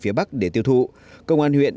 phía bắc để tiêu thụ công an huyện